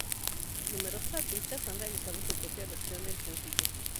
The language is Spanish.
Numerosos artistas han realizado su propia versión del sencillo.